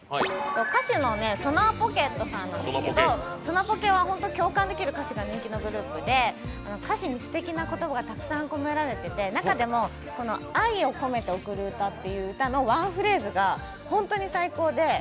歌手のＳｏｎａｒＰｏｃｋｅｔなんですけど、ソナポケは共感できる歌詞が人気のグループで歌詞にすてきな言葉がたくさん込められていて中でも「愛をこめて贈る歌」という歌のワンフレーズが本当に最高で。